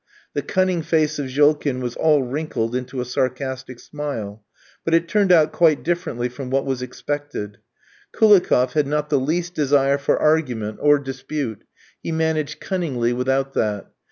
The cunning face of Jolkin was all wrinkled into a sarcastic smile; but it turned out quite differently from what was expected. Koulikoff had not the least desire for argument or dispute, he managed cunningly without that.